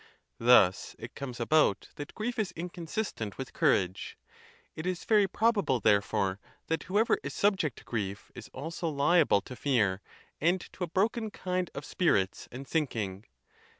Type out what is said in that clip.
Thus it comes about that grief is inconsistent with courage: it is very probable, therefore, that whoever is subject to grief is also liable to fear, and to a broken kind of spirits and sinking.